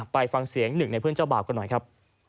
ไปฟังเสียงหนึ่งในเพื่อนเจ้าบ่าวกันหน่อยครับ